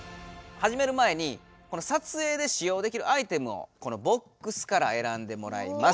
はじめる前にこの撮影でし用できるアイテムをこのボックスからえらんでもらいます。